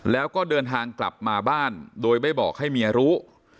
แล้วก็เดินทางกลับมาบ้านโดยไม่บอกให้เมียรู้